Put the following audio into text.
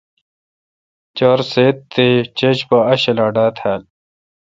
چار سیت تے°چھج پا اک چھلا ڈھا تال۔